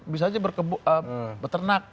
bisa aja berternak